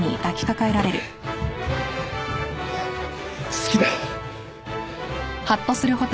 好きだ。